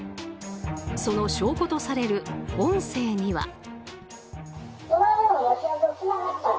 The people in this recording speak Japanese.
その証拠とされる音声には。